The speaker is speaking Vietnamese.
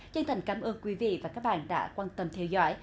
chân thành cảm ơn quý vị và các bạn đã quan tâm theo dõi